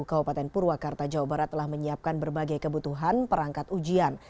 kabupaten purwakarta jawa barat telah menyiapkan berbagai kebutuhan perangkat ujian